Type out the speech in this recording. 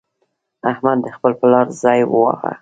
احمد د خپل پلار ځای وواهه.